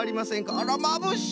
あらまぶしい！